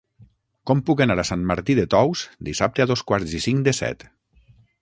Com puc anar a Sant Martí de Tous dissabte a dos quarts i cinc de set?